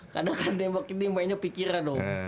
kadang kadang nembak ini mainnya pikiran om